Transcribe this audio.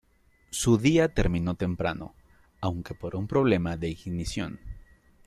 Su día terminó temprano, aunque por un problema de ignición.